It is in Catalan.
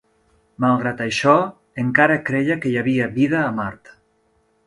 Malgrat això, encara creia que hi havia vida a Mart.